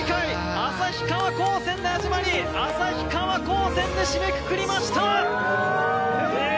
旭川高専で始まり旭川高専で締めくくりました！え！？